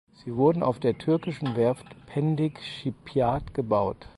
Sie wurden auf der türkischen Werft Pendik Shipyard gebaut.